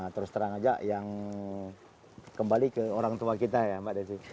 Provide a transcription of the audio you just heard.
terus terang aja yang kembali ke orang tua kita ya mbak desi